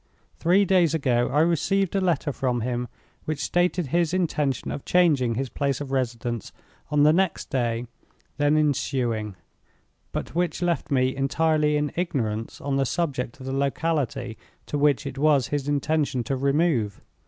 Three days ago I received a letter from him, which stated his intention of changing his place of residence on the next day then ensuing, but which left me entirely in ignorance on the subject of the locality to which it was his intention to remove.